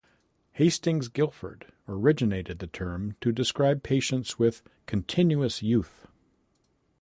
Hastings Gilford originated the term to describe patients with "continuous youth".